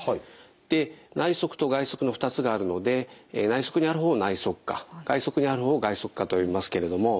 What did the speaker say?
で内側と外側の２つがあるので内側にある方を内側顆外側にある方を外側顆と呼びますけれども。